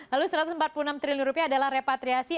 lalu satu ratus empat puluh enam triliun rupiah adalah repatriasi